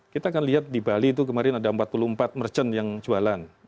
kita kan lihat di bali itu kemarin ada empat puluh empat merchant yang jualan